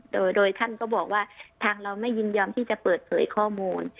โดยท่านก็บอกว่าทางเราไม่ยินยอมที่จะเปิดเผยข้อมูล